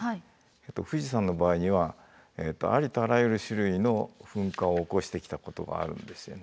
富士山の場合にはありとあらゆる種類の噴火を起こしてきたことがあるんですよね。